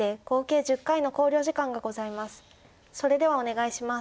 それではお願いします。